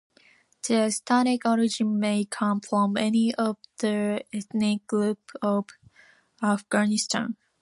Their ethnic origin may come from any of the ethnic groups of Afghanistan.